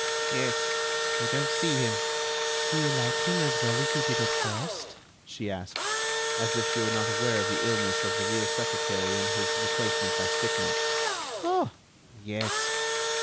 "Yes, I don't see him." "Do you like him as well as you did at first?" she asked, as if she were not aware of the illness of the real secretary and his replacement by Stickmann. "Oh! yes."